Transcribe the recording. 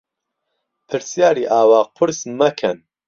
پرسیاری ئاوا قورس مەکەن.